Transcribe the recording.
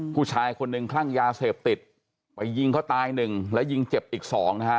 ผู้ชายคนหนึ่งคลั่งยาเสพติดไปยิงเขาตายหนึ่งและยิงเจ็บอีกสองนะฮะ